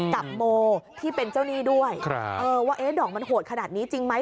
กับโมที่เป็นเจ้าหนี้ด้วยว่าดอกมันโหดขนาดนี้จริงไหม